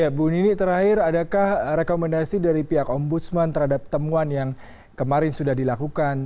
ya bu nini terakhir adakah rekomendasi dari pihak ombudsman terhadap temuan yang kemarin sudah dilakukan